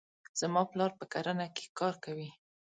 زما پلار په کرنې کې کار کوي.